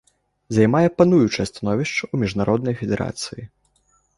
Займае пануючае становішча ў міжнароднай федэрацыі.